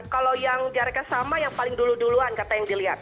kalau yang jaraknya sama yang paling dulu duluan kata yang dilihat